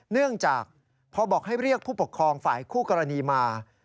เนื่องจากพอบอกให้เรียกผู้ปกครองฝ่ายคู่กรณีมา